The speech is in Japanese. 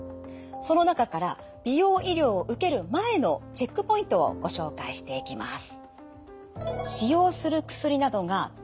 その中から美容医療を受ける前のチェックポイントをご紹介していきます。